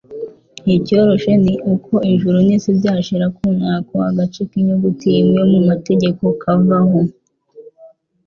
"Icyoroshye ni uko ijuru n'isi byashira kunta ko agace k'inyuguti imwe yo mu mategeko kavaho'."